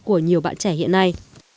của nhiều bạn trẻ hiện nay